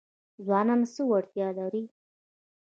ځوانان څه وړتیا لري؟